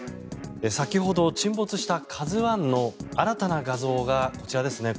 先ほど沈没した「ＫＡＺＵ１」の新たな画像が、こちらですね